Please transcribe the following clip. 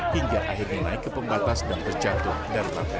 hingga akhirnya naik ke pembatas dan terjatuh dari lantai